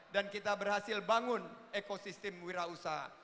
dan kita berhasil bangun ekosistem wirausaha